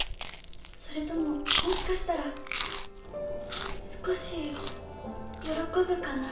それとももしかしたら少し喜ぶかな？